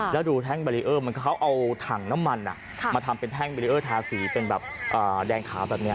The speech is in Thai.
แล้วดูแท่งบารีเออร์มันก็เขาเอาถังน้ำมันมาทำเป็นแท่งเบรีเออร์ทาสีเป็นแบบแดงขาวแบบนี้